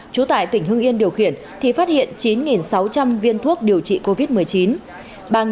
trú tại tỉnh hưng yên điều khiển thì phát hiện chín sáu trăm linh viên thuốc điều trị covid một mươi chín